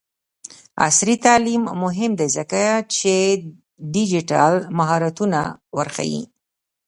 عصري تعلیم مهم دی ځکه چې ډیجیټل مهارتونه ورښيي.